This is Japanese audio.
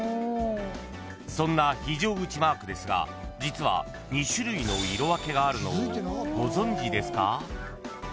［そんな非常口マークですが実は２種類の色分けがあるのをご存じですか？］